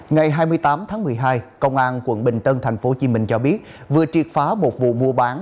ngày hai mươi tám tháng một mươi hai công an quận bình tân tp hcm cho biết vừa triệt phá một vụ mua bán